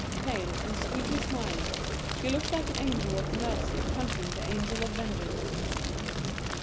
Pale, and sweetly smiling, she looked like an angel of mercy conjuring the angel of vengeance.